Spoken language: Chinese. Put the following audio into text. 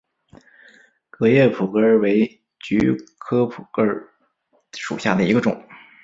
革叶蒲儿根为菊科蒲儿根属下的一个种。